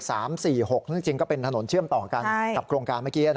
ซึ่งจริงก็เป็นถนนเชื่อมต่อกันกับโครงการเมื่อกี้